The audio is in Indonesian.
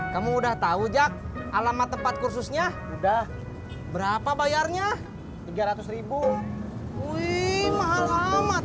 kamu udah tahu jak alamat tempat kursusnya udah berapa bayarnya tiga ratus wih mah